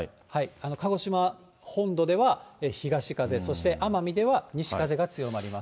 鹿児島本土では東風、そして奄美では西風が強まります。